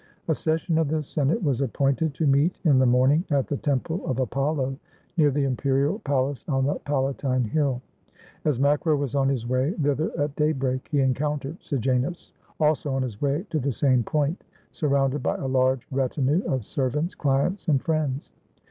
A session of the Senate was appointed to meet in the morning at the temple of Apollo, near the imperial pal ace on the Palatine Hill. As Macro was on his way thither at daybreak he encountered Sejanus, also on his way to the same point, surrounded by a large retinue of servants, cHents, and friends.